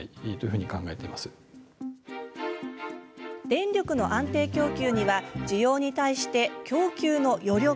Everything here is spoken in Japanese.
電力の安定供給には需要に対して供給の余力